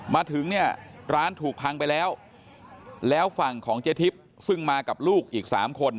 มาถึงเนี่ยร้านถูกพังไปแล้วแล้วฝั่งของเจ๊ทิพย์ซึ่งมากับลูกอีก๓คน